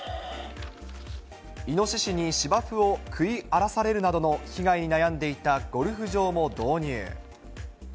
イノシシに芝生を食い荒らされるなどの被害に悩んでいたゴルフ場も導入。